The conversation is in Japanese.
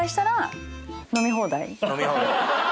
飲み放題。